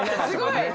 すごい。